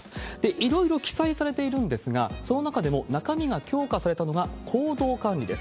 いろいろ記載されているんですが、その中でも中身が強化されたのが行動管理です。